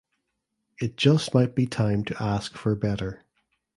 It just might be time to ask for better.